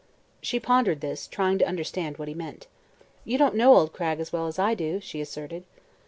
She pondered this, trying to understand what he meant. "You don't know old Cragg as well as I do," she asserted.